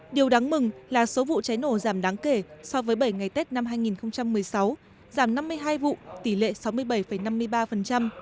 điều đáng mừng là số vụ cháy nổ giảm đáng kể so với bảy ngày tết năm hai nghìn một mươi sáu giảm năm mươi hai vụ tỷ lệ sáu mươi